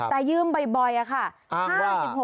แต่ยืมบ่อยค่ะ๕๖ครั้ง